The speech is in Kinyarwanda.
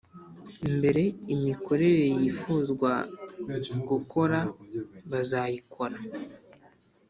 mbere imikorere yifuzwa gukora bazayikora